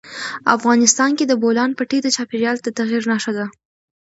افغانستان کې د بولان پټي د چاپېریال د تغیر نښه ده.